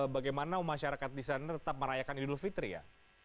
bagaimana masyarakat di sana tetap merayakan idul fitri ya